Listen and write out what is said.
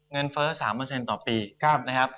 เงินเฟ้อ๓ต่อปี